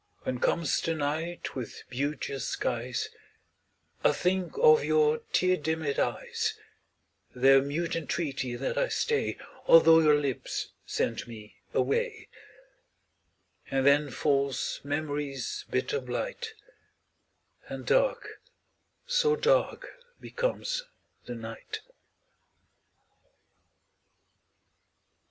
When comes the night with beauteous skies, I think of your tear dimmed eyes, Their mute entreaty that I stay, Although your lips sent me away; And then falls memory's bitter blight, And dark so dark becomes the night.